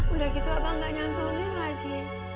udah gitu abang gak nyantolin lagi